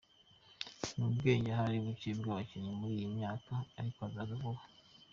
Ni ubwenge ahari bucye bw’abakinnyi muri iyi myaka ariko azaza vuba.